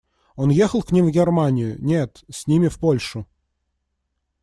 Он ехал к ним в Германию, нет, с ними в Польшу.